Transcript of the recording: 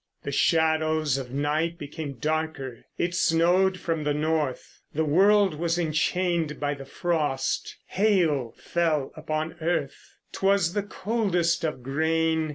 The shadows of night became darker, it snowed from the north; The world was enchained by the frost; hail fell upon earth; 'T was the coldest of grain.